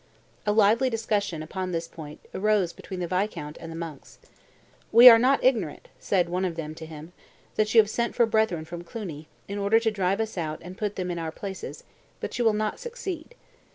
A lively discussion, upon this point, arose between the viscount and the monks. "We are not ignorant," said one of them to him, "that you have sent for brethren from Cluni, in order to drive us out and put them in our places; but you will not succeed."